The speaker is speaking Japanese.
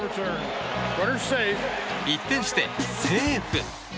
一転してセーフ！